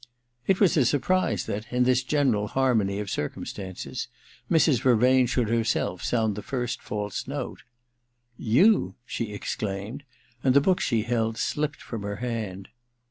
270 THE DILETTANTE It was a surprise that, in this general harmony of circumstances, Mrs. Vervain should herself sound the first fsdse note. * You ?' she exclaimed ; and the book she held slipped from her hand.